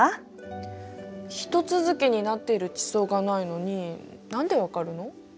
ひと続きになっている地層がないのに何でわかるの？